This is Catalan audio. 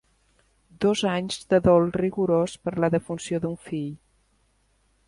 Dos anys de dol rigorós per la defunció d'un fill.